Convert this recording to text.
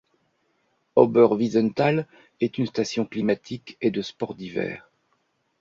Oberwiesenthal est une station climatique et de sports d'hiver.